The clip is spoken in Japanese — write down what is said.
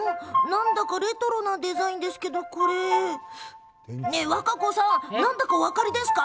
何だかレトロなデザインですけれども和歌子さん何だかお分かりですか？